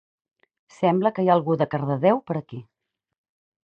Sembla que hi ha algú de Cardedeu per aquí